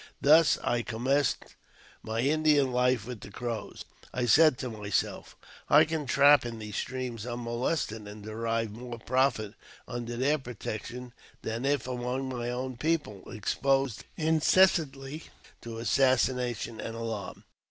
Thus I commenced my Indian life with the Crows. I said to myself, I can trap in their streams unmolested, and derive more profit under their protection than if among my own men, exposed incessantly to assassination and alarm."